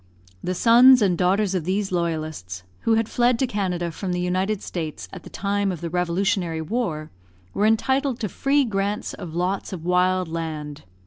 The sons and daughters of these loyalists, who had fled to Canada from the United States at the time of the revolutionary war, were entitled to free grants of lots of wild land.